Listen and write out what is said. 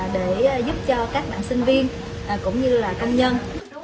để giúp cho các bạn sinh viên cũng như là công nhân